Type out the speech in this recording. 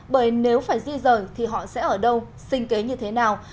bởi nếu phải di rời thì họ sẽ ở đâu sinh kế như thế nào